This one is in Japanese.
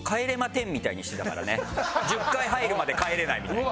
１０回入るまで帰れないみたいな。